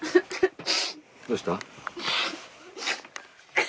どうした？